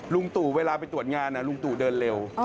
ลุงตู่เวลาไปตรวจงานลุงตู่เดินเร็ว